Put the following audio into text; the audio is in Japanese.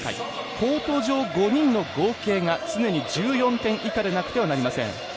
コート上、５人の合計が１４点以下でないといけません。